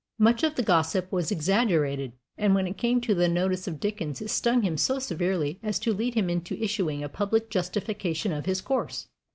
Much of the gossip was exaggerated; and when it came to the notice of Dickens it stung him so severely as to lead him into issuing a public justification of his course.